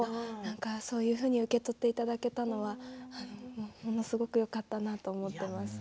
そういうふうに受け取っていただけたのはものすごくよかったなって思います。